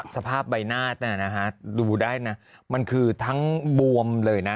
สภาพใบหน้าดูได้นะมันคือทั้งบวมเลยนะ